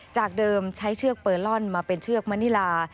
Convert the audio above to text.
จากเดิมใช้เชือกเปอร์ลอนมาเป็นเชือกมณิลา